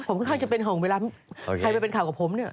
ผมค่อนข้างจะเป็นห่วงเวลาใครไปเป็นข่าวกับผมเนี่ย